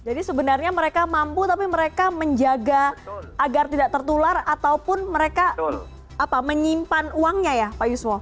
jadi sebenarnya mereka mampu tapi mereka menjaga agar tidak tertular ataupun mereka menyimpan uangnya ya pak yusuf